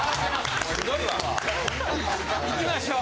さあいきましょう。